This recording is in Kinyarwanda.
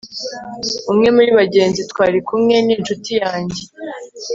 umwe muri bagenzi twari kumwe ni inshuti yanjye